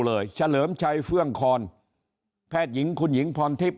เลยเฉลมชัยเฟื่องครแพทหญิงคุณหญิงพรทิบ